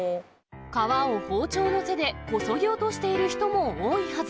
皮を包丁の背でこそぎ落としている人も多いはず。